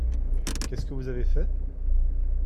Qu’est-ce que vous avez fait ?